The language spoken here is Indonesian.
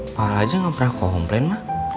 apa aja gak pernah aku komplain mah